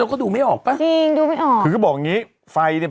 ก็ดูไม่ออกป่ะจริงดูไม่ออกคือก็บอกอย่างงี้ไฟเนี้ย